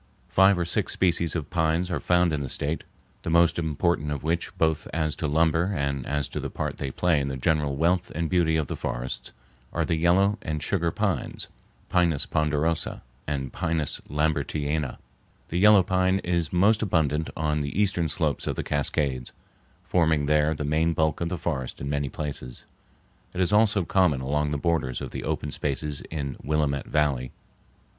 Five or six species of pines are found in the State, the most important of which, both as to lumber and as to the part they play in the general wealth and beauty of the forests, are the yellow and sugar pines (Pinus ponderosa and P. Lambertiana). The yellow pine is most abundant on the eastern slopes of the Cascades, forming there the main bulk of the forest in many places. It is also common along the borders of the open spaces in Willamette Valley.